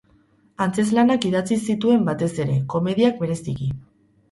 Antzezlanak idatzi zituen batez ere, komediak bereziki.